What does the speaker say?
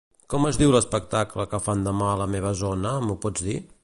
Com es diu l'espectacle que fan demà a la meva zona, m'ho pots dir?